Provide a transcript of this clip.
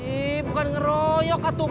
heee bukan ngeroyok kak tukang